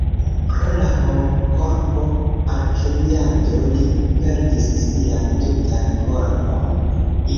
Pro la homkorpo-alkemiado, li perdis sian tutan korpon.